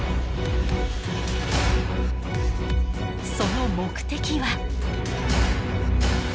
その目的は。